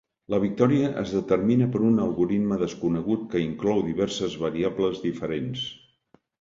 La victòria es determina per un algoritme desconegut que inclou diverses variables diferents.